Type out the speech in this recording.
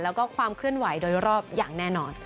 แล้วก็ความเคลื่อนไหวโดยรอบอย่างแน่นอน